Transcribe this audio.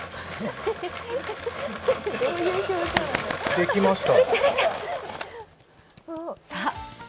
できました。